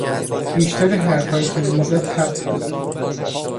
بیشتر حرفهایی که میزد حق بود.